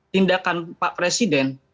tindakan pak presiden